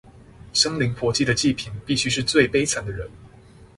生靈活祭的祭品必須是最悲慘的人